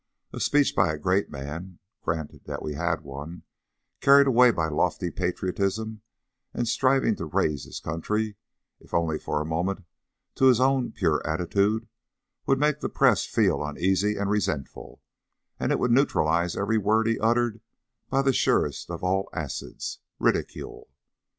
A speech by a great man, granted that we had one, carried away by lofty patriotism and striving to raise his country, if only for a moment, to his own pure altitude, would make the press feel uneasy and resentful, and it would neutralize every word he uttered by the surest of all acids, ridicule.